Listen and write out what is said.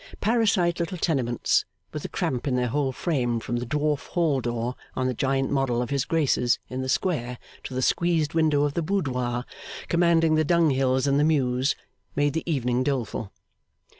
Parasite little tenements, with the cramp in their whole frame, from the dwarf hall door on the giant model of His Grace's in the Square to the squeezed window of the boudoir commanding the dunghills in the Mews, made the evening doleful.